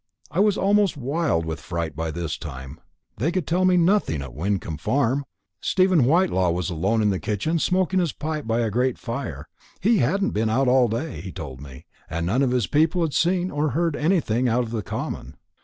I was almost wild with fright by this time. They could tell me nothing at Wyncomb Farm. Stephen Whitelaw was alone in the kitchen smoking his pipe by a great fire. He hadn't been out all day, he told me, and none of his people had seen or heard anything out of the common.